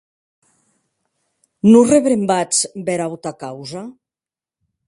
Non rebrembatz bèra auta causa?